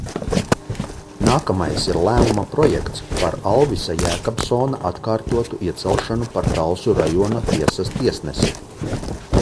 "Nākamais ir lēmuma projekts "Par Alvisa Jēkabsona atkārtotu iecelšanu par Talsu rajona tiesas tiesnesi"."